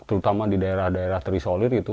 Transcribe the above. terutama di daerah daerah terisolir itu